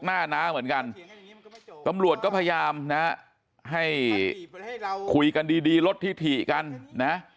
หน้าน้าเหมือนกันตำรวจก็พยายามนะให้คุยกันดีดีลดที่ถี่กันนะ